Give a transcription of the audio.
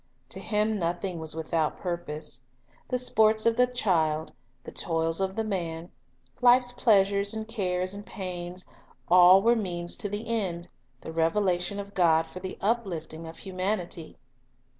To Him nothing was without purpose. The sports of the child, the toils of the man, life's pleasures and cares and pains, all were means to the one end, — the revelation of God for the uplifting of humanity.